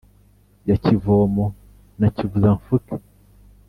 ya kivomo na kivuza-mfuke